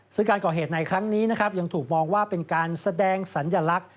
ซึ่งการก่อเหตุในครั้งนี้นะครับยังถูกมองว่าเป็นการแสดงสัญลักษณ์